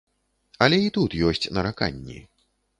Але і тут ёсць нараканні.